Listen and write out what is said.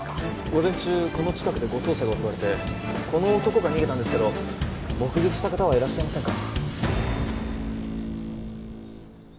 午前中この近くで護送車が襲われてこの男が逃げたんですけど目撃した方はいらっしゃいませんか？